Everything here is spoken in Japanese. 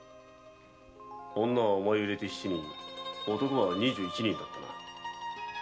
女はお前を入れて七人男は二十一人だったな。